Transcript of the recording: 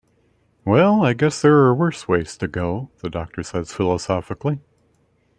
"Well, I guess there are worse ways to go," the doctor says philosophically.